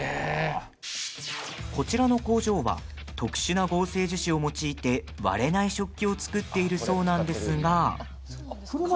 こちらの工場は特殊な合成樹脂を用いて割れない食器を作っているそうなんですが。